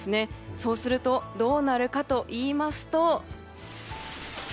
そうするとどうなるかといいますと。